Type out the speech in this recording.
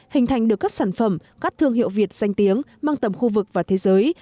hình thành được các sản phẩm các thương hiệu việt danh tiếng mang tầm khu vực và thế giới